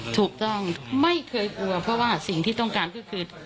ถูกต้องไม่เคยกลัวเพราะว่าสิ่งที่ต้องการก็คือ